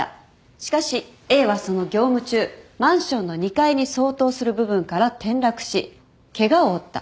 しかしＡはその業務中マンションの２階に相当する部分から転落しケガを負った。